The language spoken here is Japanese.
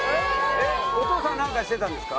お父さんなんかしてたんですか？